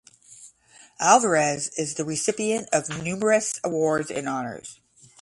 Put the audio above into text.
Alvarez is the recipient of numerous awards and honors.